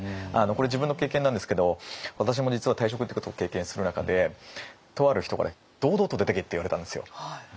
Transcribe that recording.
これ自分の経験なんですけど私も実は退職っていうことを経験する中でとある人から「堂々と出ていけ」って言われたんですよ。